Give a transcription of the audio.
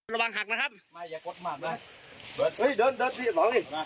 ระวังหักนะครับ